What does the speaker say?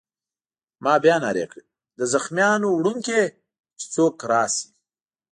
ما بیا نارې کړې: د زخمیانو وړونکی! چې څوک راشي.